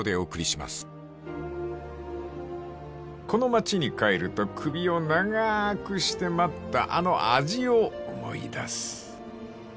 ［この町に帰ると首を長くして待ったあの味を思い出す］